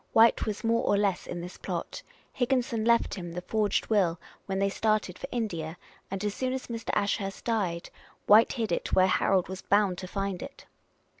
White was more or less in this plot ; Higginson left him the forged will when they started for India; and, as soon as Mr. Ashurst died. White hid it where Harold was bound to find it."